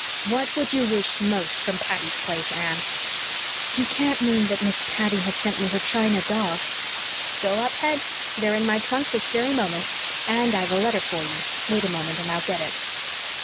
What would you wish most from Patty's Place, Anne?" "You can't mean that Miss Patty has sent me her china dogs?" "Go up head. They're in my trunk this very moment. And I've a letter for you. Wait a moment and I'll get it."